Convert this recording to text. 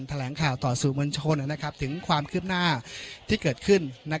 แถลงข่าวต่อสื่อมวลชนถึงความคืบหน้าที่เกิดขึ้น